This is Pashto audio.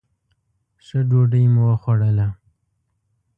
ښه ډوډۍ مو وخوړله.